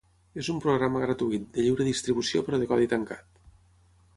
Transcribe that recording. És un programa gratuït, de lliure distribució però de codi tancat.